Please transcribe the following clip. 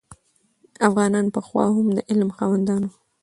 افغانان پخوا هم د علم خاوندان وو.